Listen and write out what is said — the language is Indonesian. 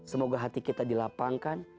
semoga hati kita dilapangkan